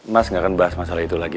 mas gak akan bahas masalah itu lagi